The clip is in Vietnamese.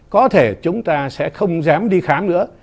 có thể chúng ta sẽ không dám đi khám nữa